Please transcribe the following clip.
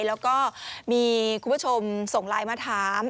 แล้วก็มีคุณผู้ชมส่งไลน์มาถาม